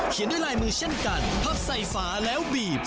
ด้วยลายมือเช่นกันพับใส่ฝาแล้วบีบ